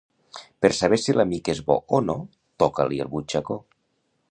Per saber si l'amic és bo o no, toca-li el butxacó.